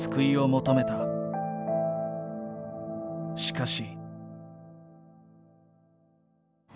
しかし。